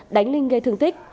đánh linh gây thương thích